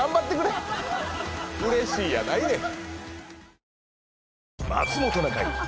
「うれしい」やないねん。